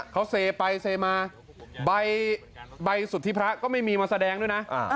เขาเซไปเซมาใบสุทธิพระก็ไม่มีมาแสดงด้วยนะ